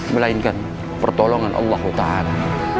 melainkan pertolongan allah ta'ala